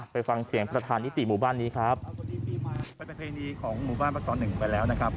ไปฟังเสียงประธานนิติหมู่บ้านนี้ครับเป็นประเพณีของหมู่บ้านประสอนหนึ่งไปแล้วนะครับ